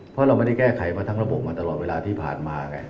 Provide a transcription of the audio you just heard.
เพราะเราไม่ได้แก้ไขมาทั้งระบบมาตลอดเวลาที่ผ่านมาไง